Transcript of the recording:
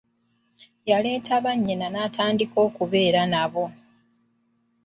Yaleeta banyina n'atandika okubeera nabo.